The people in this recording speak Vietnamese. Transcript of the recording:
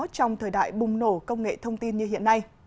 trong thời đại bùng nổ công nghệ thông tin như hiện nay